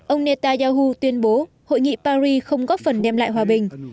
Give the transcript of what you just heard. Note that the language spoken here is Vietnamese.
ông netanyahu tuyên bố hội nghị paris không góp phần đem lại hòa bình